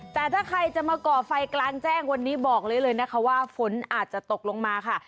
แต่ถ้าใครจะมาก่อไฟกลางแจ้งวันนี้บอกเลยเลยนะคะว่าฝนอาจจะตกลงมาค่ะ